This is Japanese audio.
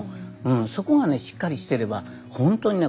そこがねしっかりしてればほんとにね